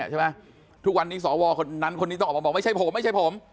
ทุกวันนี้สวคนนั้นคนนี้ต้องออกมาบอกไม่ใช่ผมไม่ใช่ผม